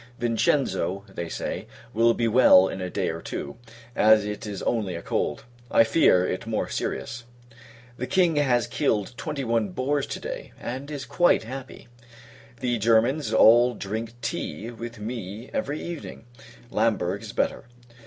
Vincenzo, they say, will be well in a day or two, as it is only a cold; I fear, it is more serious. The King has killed twenty one boars to day, and is quite happy. The Germans all drink tea with me every evening. Lamberg is better.